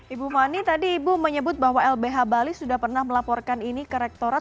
ibu mani tadi ibu menyebut bahwa lbh bali sudah pernah melaporkan ini ke rektorat